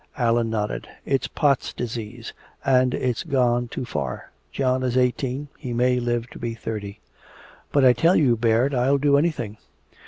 Allan nodded: "It's Pott's disease, and it's gone too far. John is eighteen. He may live to be thirty." "But I tell you, Baird, I'll do anything!"